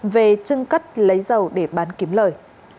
về chưng cất lấy dầu để bán kiếm lời